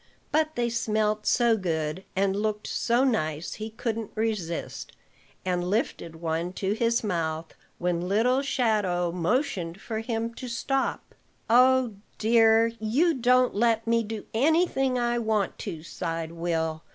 But they smelt so good, and looked so nice, he couldn't resist, and lifted one to his mouth, when little shadow motioned for him to stop. "Oh, dear! you don't let me do any thing I want to," sighed Will.